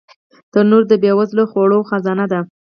تنور د بې وزله خوړو خزانه ده